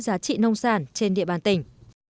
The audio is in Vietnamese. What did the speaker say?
giá trị nông sản trên địa bàn tỉnh